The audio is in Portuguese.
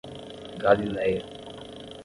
Galileia